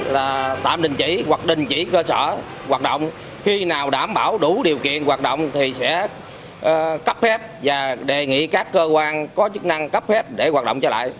lối thoát nạn cho một trăm linh cơ sở